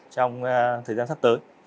trong thời gian sắp tới